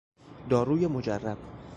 داروی مجرب